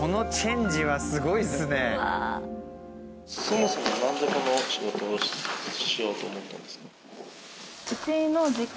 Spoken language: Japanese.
そもそもなんでこの仕事をしようと思ったんですか？